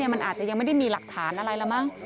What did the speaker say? มันอาจจะยังไม่ได้มีหลักฐานอะไรแล้วมั้ง